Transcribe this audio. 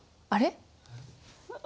あれ？